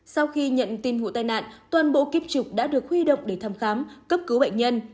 sau khi nhận tin vụ tai nạn toàn bộ kiếp trục đã được huy động để thăm khám cấp cứu bệnh nhân